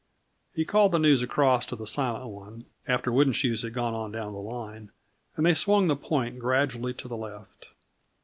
He called the news across to the Silent One, after Wooden Shoes had gone on down the line, and they swung the point gradually to the left.